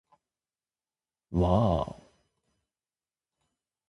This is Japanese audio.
わぁお